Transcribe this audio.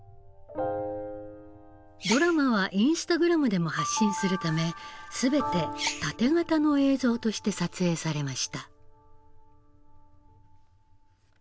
ドラマはインスタグラムでも発信するため全てタテ型の映像として撮影されました。